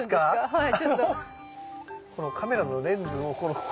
はい！